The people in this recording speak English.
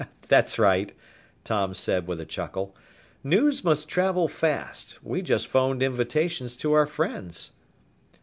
"That's right," Tom said with a chuckle. "News must travel fast. We just phoned invitations to our friends."